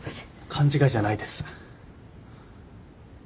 勘違いじゃないです。